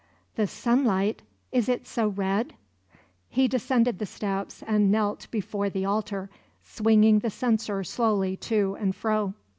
"The sunlight? Is it so red?" He descended the steps, and knelt before the altar, swinging the censer slowly to and fro.